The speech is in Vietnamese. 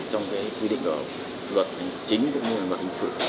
trong cái quy định đó luật hình chính cũng như là luật hình sự